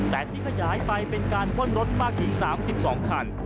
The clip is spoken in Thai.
แต่ที่ขยายไปเป็นการปล้นรถมากถึง๓๒คัน